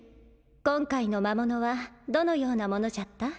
今回の魔物はどのようなものじゃった？